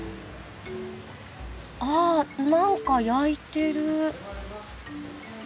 あっ何か焼いてる。